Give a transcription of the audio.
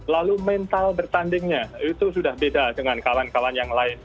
lalu mental bertandingnya itu sudah beda dengan kawan kawan yang lain